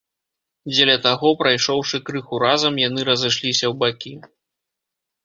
Дзеля таго, прайшоўшы крыху разам, яны разышліся ў бакі.